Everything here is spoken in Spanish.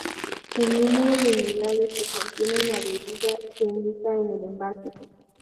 El número de unidades que contiene una bebida se indica en el envase.